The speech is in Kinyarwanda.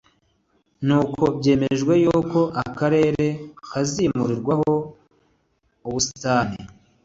jennifer, umusitajiyeri, amaze kumenya ko azakorera mu karere ka karongi umufasilitateri